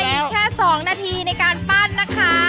เหลือเวลาแค่๒นาทีในการปั้นนะคะ